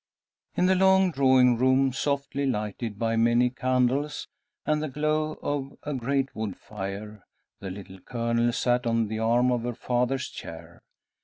In the long drawing room, softly lighted by many candles and the glow of a great wood fire, the Little Colonel sat on the arm of her father's chair.